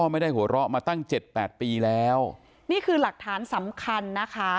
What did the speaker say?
ไม่ได้หัวเราะมาตั้งเจ็ดแปดปีแล้วนี่คือหลักฐานสำคัญนะคะ